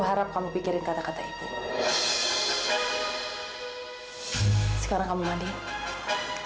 quran omongyaranya lest bagik panah kedalam kita